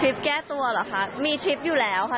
แก้ตัวเหรอคะมีทริปอยู่แล้วค่ะ